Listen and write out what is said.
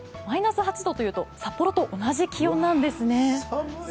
マイナス８度というと札幌と同じ気温なんです。